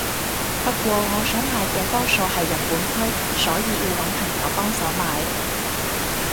不過我想買嘅多數係日本區所以要搵朋友幫手買